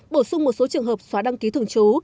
bổ sung một số trường hợp xóa đăng ký thường trú